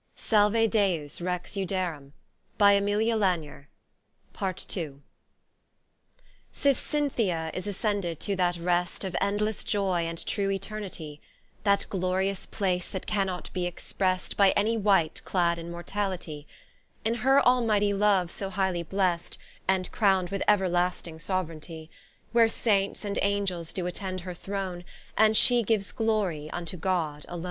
Salue Deus Rex Iudæorum. S Ith Cynthia is ascended to that rest Of endlesse joy and true Eternitie, That glorious place that cannot be exprest By any wight clad in mortalitie, In her almightie love so highly blest, And crown'd with everlasting Sovraigntie; Where Saints and Angells do attend her Throne, And she gives glorie vnto God alone.